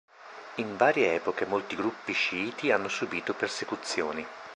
In varie epoche molti gruppi sciiti hanno subito persecuzioni.